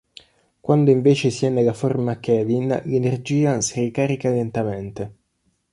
Quando invece si è nella forma Kevin, l'energia si ricarica lentamente.